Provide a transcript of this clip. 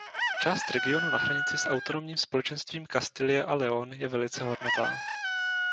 Část regionu na hranici s autonomním společenstvím Kastilie a León je velice hornatá.